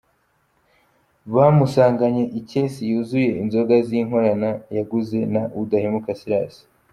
Bamusanganye ikesi yuzuye inzoga z’inkorano yaguze na Udahemuka Silas.